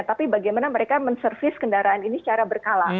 tapi bagaimana mereka menservis kendaraan ini secara berkala